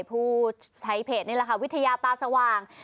ผู้ใช้เพจนี่แหละค่ะวิทยาตาสว่าง